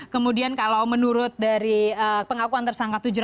kemudian kalau menurut dari pengakuan tersangka tujuh ratus